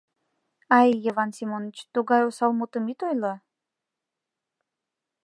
Ай, Йыван Семоныч, тугай осал мутым ит ойло.